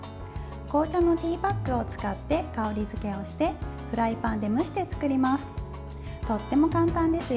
紅茶のティーパックを使って香り付けをしてフライパンで蒸して作ります。